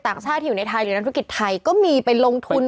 แล้วก็กังวล